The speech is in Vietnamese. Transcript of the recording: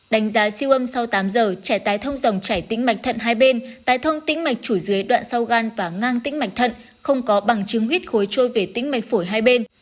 đánh giá siêu âm sau tám giờ trẻ tái thông dòng trải tính mạch thận hai bên tái thông tính mạch chủ dưới đoạn sau gan và ngang tính mạch thận không có bằng chứng huyết khối trôi về tính mạch phổi hai bên